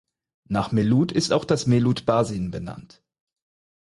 Nach Melut ist auch das Melut Basin benannt.